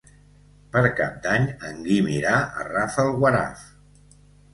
Per Cap d'Any en Guim irà a Rafelguaraf.